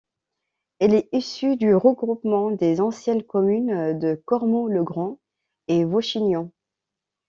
Elle est issue du regroupement des anciennes communes de Cormot-le-Grand et Vauchignon.